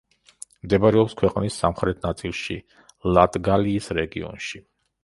მდებარეობს ქვეყნის სამხრეთ ნაწილში, ლატგალიის რეგიონში.